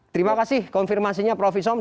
terima kasih konfirmasinya prof isom